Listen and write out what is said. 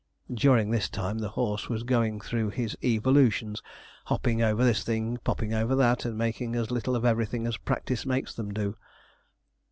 During this time the horse was going through his evolutions, hopping over this thing, popping over that, making as little of everything as practice makes them do.